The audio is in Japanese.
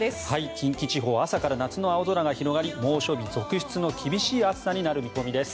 近畿地方朝から夏の青空が広がり猛暑日続出の厳しい暑さとなりそうです。